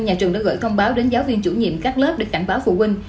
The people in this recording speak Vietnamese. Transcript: nhà trường đã gửi thông báo đến giáo viên chủ nhiệm các lớp để cảnh báo phụ huynh